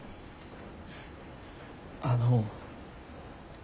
あの。